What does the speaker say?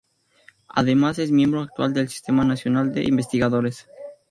Además, es miembro actual del Sistema Nacional de Investigadores.